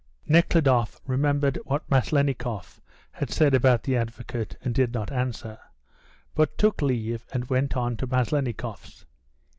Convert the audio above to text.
Nekhludoff remembered what Maslennikoff had said about the advocate, and did not answer, but took leave and went on to Maslennikoff's.